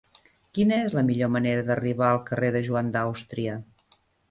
Quina és la millor manera d'arribar al carrer de Joan d'Àustria?